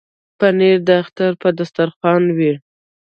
پنېر د اختر پر دسترخوان وي.